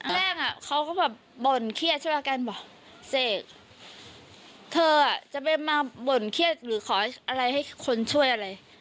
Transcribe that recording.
แรกเขาก็แบบบ่นเครียดใช่ไหมกันบอกเสกเธอจะไปมาบ่นเครียดหรือขออะไรให้คนช่วยอะไร